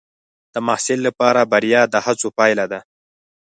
د محصل لپاره بریا د هڅو پایله ده.